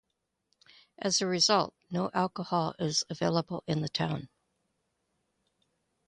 As a result, no alcohol is available in the town.